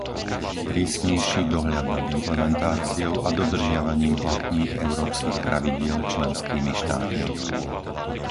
prísnejší dohľad nad implementáciou a dodržiavaním platných európskych pravidiel členskými štátmi;